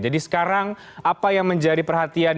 jadi sekarang apa yang menjadi perhatian